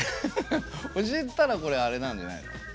教えたらこれあれなんじゃないの？